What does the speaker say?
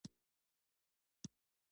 د کولمو د غږونو لپاره د بادیان عرق وڅښئ